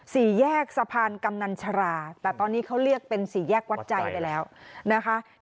สี่แยกสะพานกำนันชราแต่ตอนนี้เขาเรียกเป็นสี่แยกวัดใจไปแล้วนะคะ